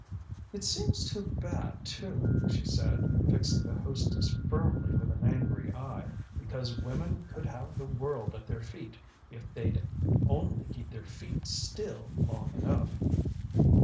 "It seems too bad, too," she said, fixing the hostess firmly with an angry eye. "Because women could have the world at their feet if they'd only keep their feet still long enough."